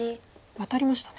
ワタりましたね。